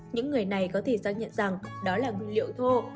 những người này có thể xác nhận rằng đó là nguyên liệu thô